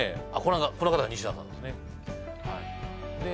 この方が西田さんですねで